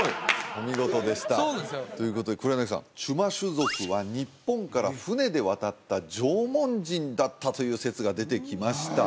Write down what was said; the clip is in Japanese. お見事でしたそうですよということで黒柳さんチュマシュ族は日本から舟で渡った縄文人だったという説が出てきました